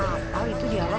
apaan itu ya